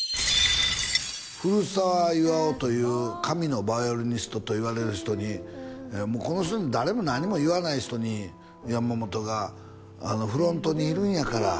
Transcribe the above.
古澤巖という神のヴァイオリニストといわれる人にこの人に誰も何も言わない人に山本が「フロントにいるんやから」